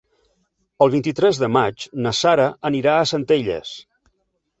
El vint-i-tres de maig na Sara anirà a Centelles.